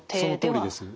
そのとおりです。